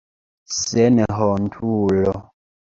Senhontulo!